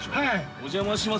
◆お邪魔します。